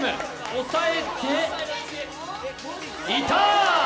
押さえていった！